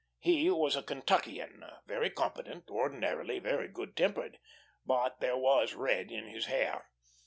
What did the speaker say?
He was a Kentuckian, very competent, ordinarily very good tempered; but there was red in his hair.